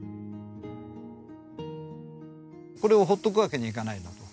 これを放っておくわけにはいかないなと。